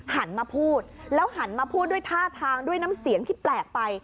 หันมาพูดแล้วหันมาพูดด้วยท่าทางด้วยน้ำเสียงที่แปลกไป